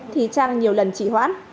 thì trang nhiều lần trị hoãn